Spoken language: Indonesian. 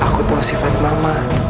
aku tahu sifat mama